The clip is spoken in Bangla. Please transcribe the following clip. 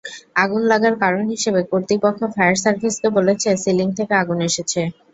আগুন লাগার কারণ হিসেবে কর্তৃপক্ষ ফায়ার সার্ভিসকে বলেছে, সিলিং থেকে আগুন এসেছে।